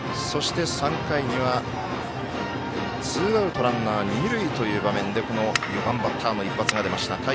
そして３回には、ツーアウトランナー、二塁という場面でこの４番バッターの一発が出ました。